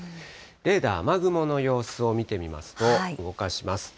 レーダー、雨雲の様子を見てみますと、動かします。